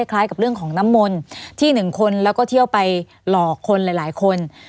คล้ายกับเรื่องของน้ำมนต์ที่หนึ่งคนแล้วก็เที่ยวไปหลอกคนหลายคน